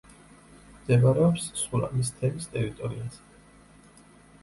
მდებარეობს სურამის თემის ტერიტორიაზე.